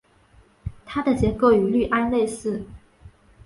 它的结构与氯胺类似。